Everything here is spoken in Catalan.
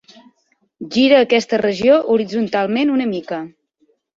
Gira aquesta regió horitzontalment una mica.